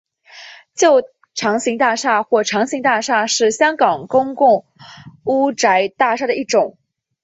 旧长型大厦或长型大厦是香港公共屋邨大厦的一种。